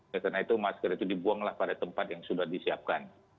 karena itu masker itu dibuanglah pada tempat yang sudah disiapkan